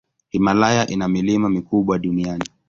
Himalaya ina milima mikubwa duniani.